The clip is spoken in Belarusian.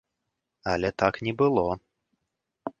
Але так не было.